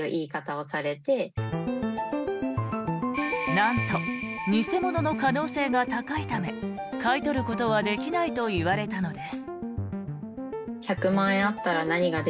なんと偽物の可能性が高いため買い取ることはできないと言われたのです。